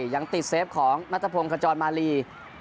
ยังติดเซฟของนัทพงศ์ขจรมาลี